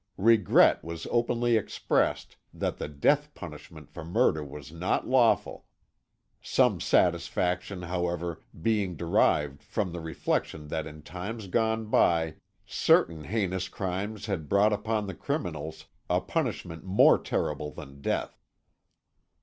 Regret was openly expressed that the death punishment for murder was not lawful, some satisfaction, however, being derived from the reflection that in times gone by certain heinous crimes had brought upon the criminals a punishment more terrible than death.